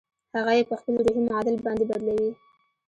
هغه يې په خپل روحي معادل باندې بدلوي.